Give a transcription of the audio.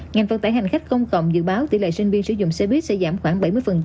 ngành vận tải hành khách công cộng dự báo tỷ lệ sinh viên sử dụng xe buýt sẽ giảm khoảng bảy mươi